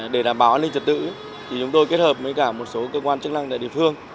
để đảm bảo an ninh trật tự thì chúng tôi kết hợp với cả một số cơ quan chức năng tại địa phương